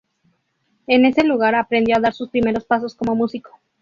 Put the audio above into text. En ese lugar aprendió a dar sus primeros pasos como músico.